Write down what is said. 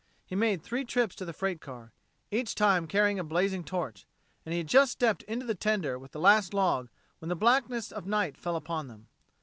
He made three trips to the freight car, each time carrying a blazing torch, and he had just stepped into the tender with the last log when the blackness of night fell upon them.